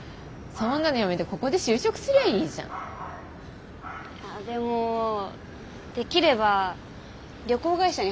そんなのやめてここで就職すりゃいいじゃんあでもできれば旅行会社に入りたくて。